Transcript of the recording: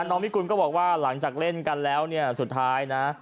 น้องพี่กุ้นก็บอกว่าหลังจากเล่นกันแล้วสุดท้ายนะ